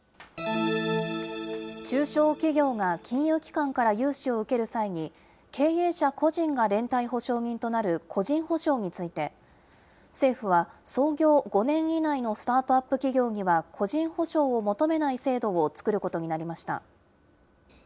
中小企業が金融機関から融資を受ける際に、経営者個人が連帯保証人となる個人保証について、政府は、創業５年以内のスタートアップ企業には個人保証を求めない制度を作ることになりました。